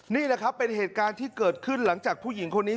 นี่แหละครับเป็นเหตุการณ์ที่เกิดขึ้นหลังจากผู้หญิงคนนี้